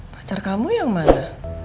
pacar kamu yang mana